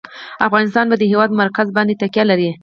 افغانستان په د هېواد مرکز باندې تکیه لري.